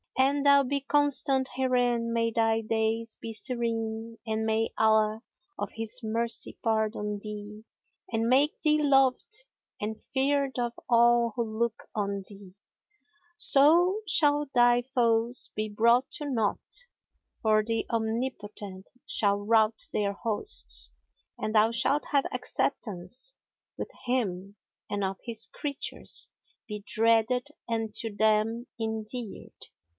An thou be constant herein may thy days be serene and may Allah of His mercy pardon thee and make thee loved and feared of all who look on thee; so shall thy foes be brought to naught, for the Omnipotent shall rout their hosts and thou shalt have acceptance with Him and of His creatures be dreaded and to them endeared."